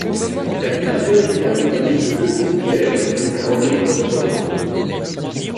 L'animateur y est accompagné de deux croupières dont Caroline Bozzolo.